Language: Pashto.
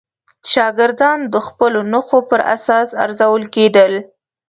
شاګردان د خپلو نښو پر اساس ارزول کېدل.